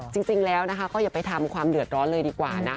จริงแล้วนะคะก็อย่าไปทำความเดือดร้อนเลยดีกว่านะ